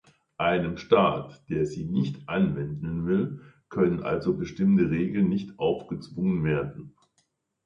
Einem Staat, der sie nicht anwenden will, können also bestimmte Regeln nicht aufgezwungen werden.